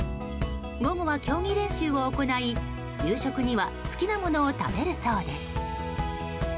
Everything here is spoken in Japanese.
午後は競技練習を行い、夕食には好きなものを食べるそうです。